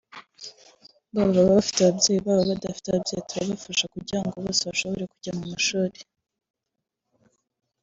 baba bafite ababyeyi baba badafite ababyeyi turabafasha kugira ngo bose bashobore kujya mu mashuri